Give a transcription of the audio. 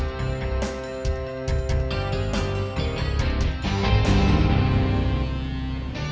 tukang parkir di daerah sini